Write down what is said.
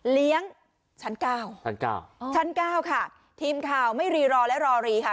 เลี้ยงชั้น๙ชั้น๙ค่ะทีมข่าวไม่รีรอและรอรีค่ะ